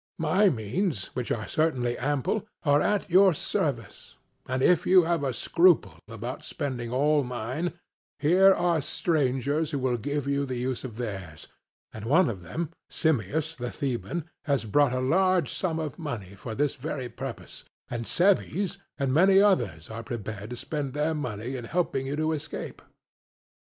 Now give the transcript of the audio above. My means, which are certainly ample, are at your service, and if you have a scruple about spending all mine, here are strangers who will give you the use of theirs; and one of them, Simmias the Theban, has brought a large sum of money for this very purpose; and Cebes and many others are prepared to spend their money in helping you to escape.